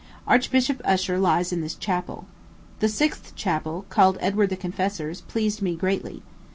Archbishop Usher lies in this chapel. The sixth chapel, called Edward the Confessor's, pleased me greatly.